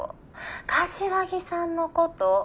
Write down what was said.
柏木さんのこと。